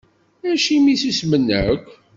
Acimi i susmen akk?